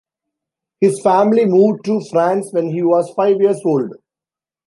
His family moved to France when he was five years old.